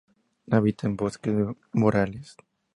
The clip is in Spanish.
Habita en bosques boreales.